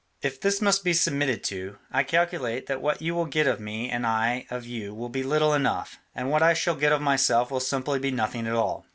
If this must be submitted to, I calculate that what you will get of me and I of you will be little enough, and what I shall get of myself will simply be nothing at all.